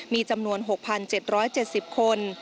มีจำนวน๖๗๗๐คน